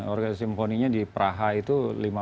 orkestrasi symphoninya di praha itu